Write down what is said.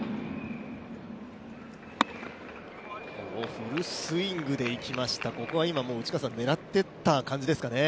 フルスイングでいきました、ここは狙ってった感じですね。